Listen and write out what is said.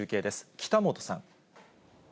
北本さん。